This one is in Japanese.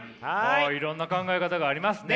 いろんな考え方がありますね。